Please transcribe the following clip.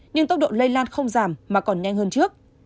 nhưng tốc độ lây lan không giảm mà còn nhanh hơn trước